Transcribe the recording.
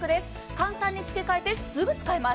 簡単に付け替えて、すぐ使えます。